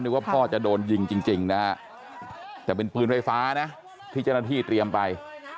ว่าพ่อจะโดนยิงจริงนะฮะแต่เป็นปืนไฟฟ้านะที่เจ้าหน้าที่เตรียมไป